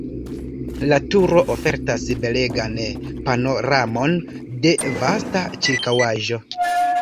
La turo ofertas belegan panoramon de vasta ĉirkaŭaĵo.